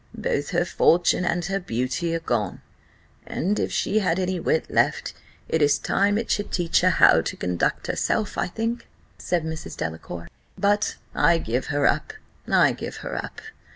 "Both her fortune and her beauty are gone; and if she had any wit left, it is time it should teach her how to conduct herself, I think," said Mrs. Delacour: "but I give her up I give her up."